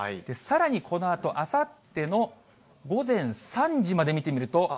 さらにこのあとあさっての午前３時まで見てみると。